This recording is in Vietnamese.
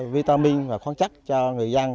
vitamin và khoan chất cho người dân